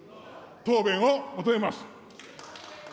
答弁を求めます。